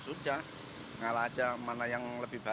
sosok sosok iruul sedang belo bem zoom semata asalativa